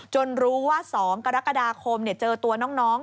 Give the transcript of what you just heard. รู้ว่า๒กรกฎาคมเจอตัวน้อง